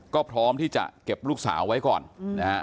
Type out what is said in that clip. ก็พร้อมที่จะเก็บลูกสาวไว้ก่อนนะฮะ